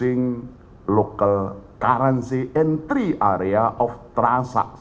menggunakan kewangan lokal di tiga area transaksi